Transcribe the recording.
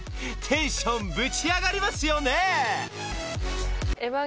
［テンションぶち上がりますよね］